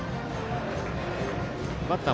バッター